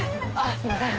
すみません。